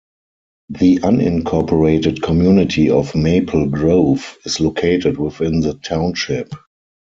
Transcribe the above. The unincorporated community of Maple Grove is located within the township.